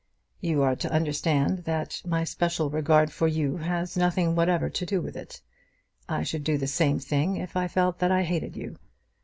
You are to understand that my special regard for you has nothing whatever to do with it. I should do the same thing if I felt that I hated you."